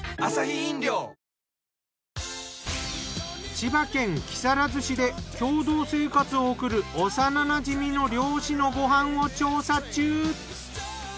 千葉県木更津市で共同生活を送る幼馴染みの漁師のご飯を調査中。